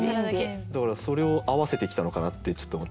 だからそれを合わせてきたのかなってちょっと思って。